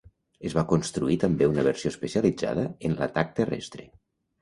Es va construir també una versió especialitzada en l'atac terrestre.